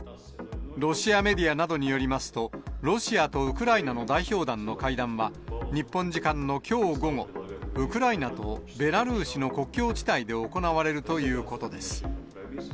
ロシアメディアなどによりますと、ロシアとウクライナの代表団の会談は、日本時間のきょう午後、ウクライナとベラルーシの国境地帯で行われるということです。